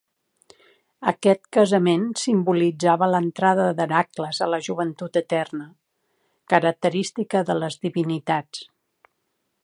Aquest casament simbolitzava l'entrada d'Hèracles a la joventut eterna, característica de les divinitats.